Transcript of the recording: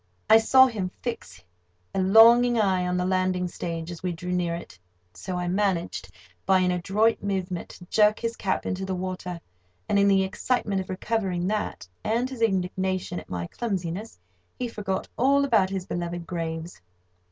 I saw him fix a longing eye on the landing stage as we drew near it, so I managed, by an adroit movement, to jerk his cap into the water, and in the excitement of recovering that, and his indignation at my clumsiness, he forgot all about his beloved graves.